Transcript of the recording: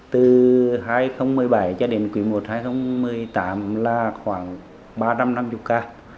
từ hai nghìn một mươi bảy cho đến quý i hai nghìn một mươi tám là khoảng ba trăm năm mươi ca